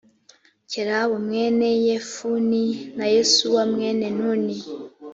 kalebu mwene yefune na yosuwa mwene nuni